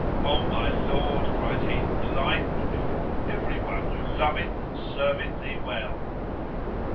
"O my lord," cried he, "the like will befal every one who loveth and serveth thee well."